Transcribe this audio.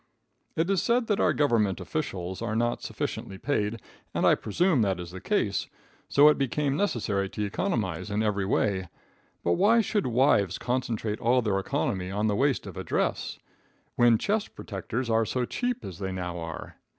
It is said that our government officials are not sufficiently paid; and I presume that is the case, so it became necessary to economize in every way; but, why should wives concentrate all their economy on the waist of a dress? When chest protectors are so cheap as they now are.